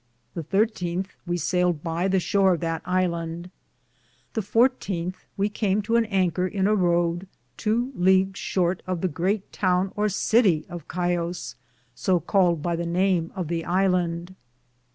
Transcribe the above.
The 13th we sayled by the shore of that ilande. The 14th we cam to an anker in a rood, tow leagues shorte of the greate towne or Cittie of Scio, so called by the name of the ilande.